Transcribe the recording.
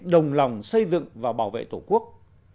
đồng lòng xây dựng và bảo vệ tổ quốc